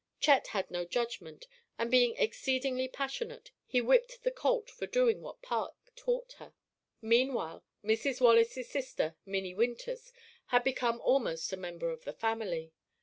Chet had no judgment, and being exceedingly passionate, he whipped the colt for doing what Park taught her. Meanwhile Mrs. Wallace's sister, Minnie Winters, had become almost a member of the family.